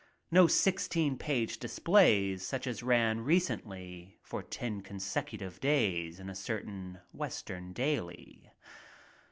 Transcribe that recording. No sixteen page displays such as ran recently for ten consecutive days in a certain Western daily.